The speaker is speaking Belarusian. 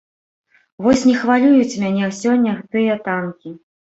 Вось не хвалююць мяне сёння тыя танкі.